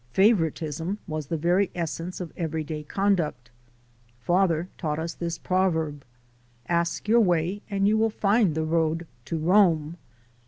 Favoritism was the very essence of every day conduct. Father taught us this proverb: Ask your way and you will find the road to Rome.